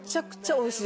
おいしい？